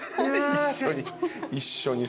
一緒に。